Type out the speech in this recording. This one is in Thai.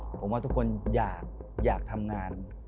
ผมว่าทุกคนอยากทำงาน